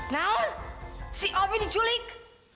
nahul si ovi diculik